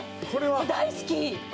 大好き！